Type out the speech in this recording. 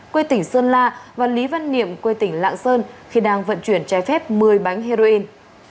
quê tỉnh sơn la và lý văn niệm quê tỉnh lạng sơn khi đang vận chuyển trái phép một mươi bánh heroin